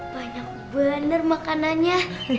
banyak bener makanannya